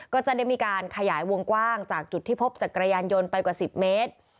ก็จะได้มีการขยายวงกว้างจากจุดที่พบจักรยานยนต์ไปกว่า๑๐เมตร